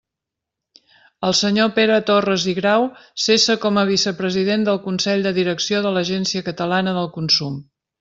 El senyor Pere Torres i Grau cessa com a vicepresident del Consell de Direcció de l'Agència Catalana del Consum.